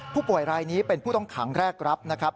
ผู้ป่วยรายนี้เป็นผู้ต้องขังแรกรับนะครับ